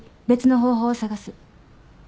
別の方法を探す。